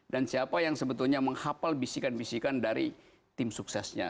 siapa yang sebetulnya menghapal bisikan bisikan dari tim suksesnya